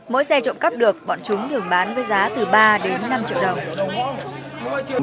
mỗi xe trộm cắp được bọn chúng thường bán với giá từ ba đến năm triệu đồng